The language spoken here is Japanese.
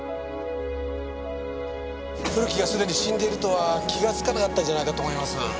古木がすでに死んでいるとは気がつかなかったんじゃないかと思います。